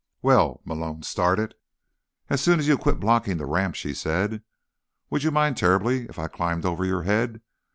"Well—" Malone started. "As soon as you quit blocking the ramp," she said. "Would you mind terribly if I climbed over your head?